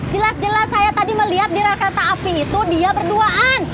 jelas jelas saya tadi melihat di rakata api itu dia berduaan